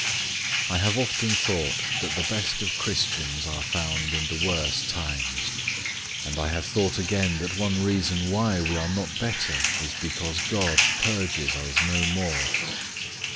I have often thought that the best of Christians are found in the worst times: and I have thought again, that one reason why we are not better is, because God purges us no more.